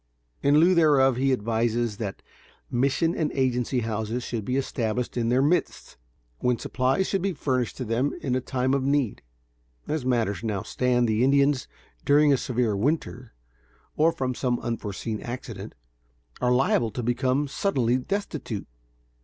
In lieu thereof, he advises that mission and agency houses should be established in their midst, when supplies should be furnished to them in a time of need. As matters stand now, the Indians, during a severe winter, or from some unforeseen accident, are liable to become suddenly destitute.